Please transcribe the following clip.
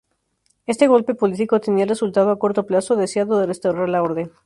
Este golpe político tenía el resultado a corto plazo deseado de restaurar la orden.